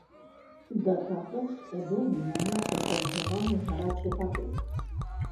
Да таго ж у доме няма цэнтралізаванай гарачай вады!